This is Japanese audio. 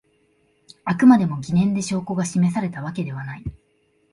あくまでも疑念で証拠が示されたわけではない